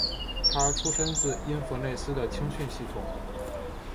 他出身自因弗内斯的青训系统。